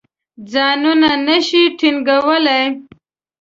ځانونه نه شي ټینګولای.